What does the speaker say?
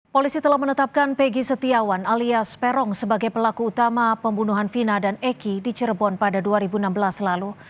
polisi telah menetapkan peggy setiawan alias peron sebagai pelaku utama pembunuhan vina dan eki di cirebon pada dua ribu enam belas lalu